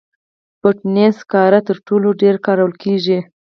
بټومینس سکاره تر ټولو ډېر کارول کېږي.